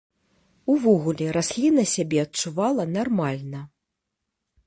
Увогуле, расліна сябе адчувала нармальна.